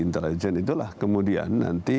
intelijen itulah kemudian nanti